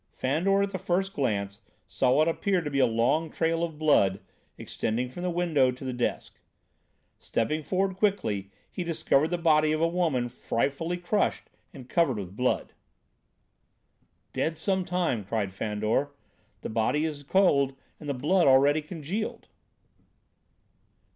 Fandor, at the first glance, saw what appeared to be a long trail of blood, extending from the window to the desk. Stepping forward quickly, he discovered the body of a woman frightfully crushed and covered with blood. "Dead some time," cried Fandor. "The body is cold and the blood already congealed."